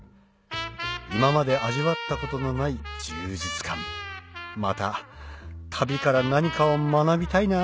今まで味わったことのない充実感また旅から何かを学びたいな